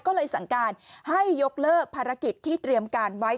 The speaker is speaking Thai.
ก็เลยสั่งการให้ยกเลิกภารกิจที่เตรียมการไว้